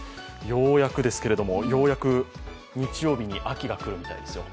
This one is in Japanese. ようやく、日曜日に秋が来るみたいですよ。